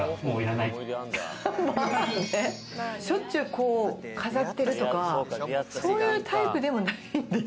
しょっちゅう飾ってるとか、そういうタイプじゃないんです。